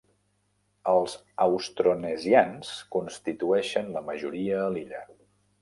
Els austronesians constitueixen la majoria a l'illa.